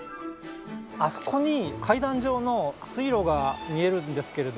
あそこに階段状の水路が見えるんですけれども。